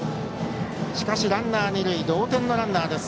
しかしランナー二塁同点のランナーです。